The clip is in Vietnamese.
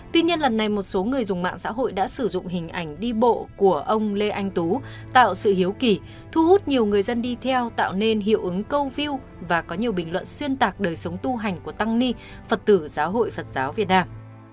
tuy nhiên lần này một số người dùng mạng xã hội đã sử dụng hình ảnh đi bộ của ông lê anh tú tạo sự hiếu kỳ thu hút nhiều người dân đi theo tạo nên hiệu ứng câu view và có nhiều bình luận xuyên tạc đời sống tu hành của tăng ni phật tử giáo hội phật giáo việt nam